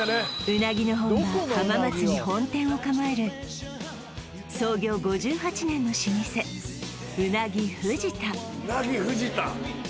うなぎの本場浜松に本店を構える創業５８年の老舗うなぎ藤田うなぎ藤田